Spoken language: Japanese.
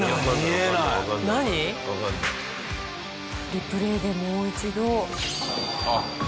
リプレーでもう一度。